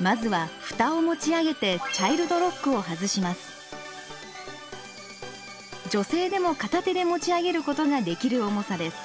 まずは蓋を持ち上げて女性でも片手で持ち上げることができる重さです。